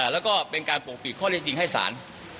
และพกปิดข้อเท็จจริงให้สาร